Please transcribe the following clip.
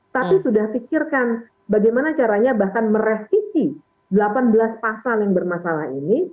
tapi sudah pikirkan bagaimana caranya bahkan merevisi delapan belas pasal yang bermasalah ini